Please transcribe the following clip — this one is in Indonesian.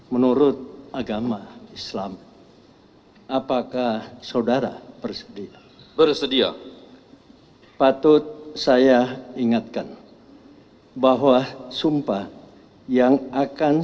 menurut agama islam apakah saudara bersedia bersedia patut saya ingatkan bahwa sumpah yang akan